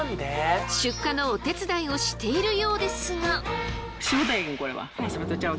出荷のお手伝いをしているようですが。